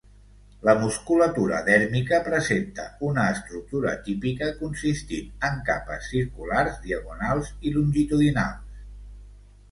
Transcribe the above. La musculatura dèrmica presenta una estructura típica consistint en capes circulars, diagonals i longitudinals.